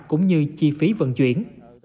cũng như chi phí vận chuyển